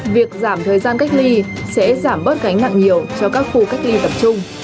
việc giảm thời gian cách ly sẽ giảm bớt gánh nặng nhiều cho các khu cách ly tập trung